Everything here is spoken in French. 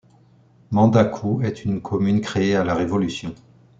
Mandacou est une commune créée à la Révolution.